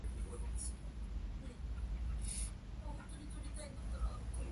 Still carrying the two girls, Cst.